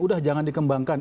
udah jangan dikembangkan